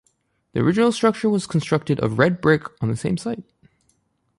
The original structure was constructed of red brick on the same site.